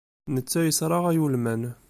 Netta yesraɣay ulman.